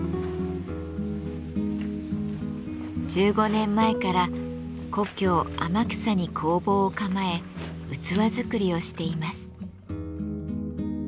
１５年前から故郷天草に工房を構え器作りをしています。